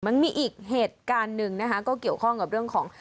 มันมีอีกเหตุการณ์หนึ่งนะคะก็เกี่ยวข้องกับเรื่องของ